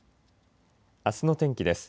あすの天気です。